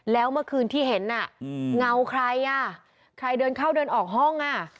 แล้วเมื่อคืนที่เห็นอ่ะเงาใครอ่ะใครเดินเข้าเดินออกห้องอ่ะ